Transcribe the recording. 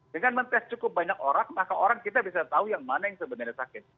dengan mentes cukup banyak orang maka orang kita bisa tahu yang mana yang sebenarnya sakit